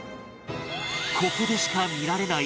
ここでしか見られない？